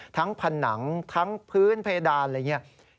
ผนังทั้งพื้นเพดานอะไรอย่างนี้